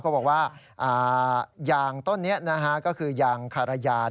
บอกว่ายางต้นนี้ก็คือยางคารยาน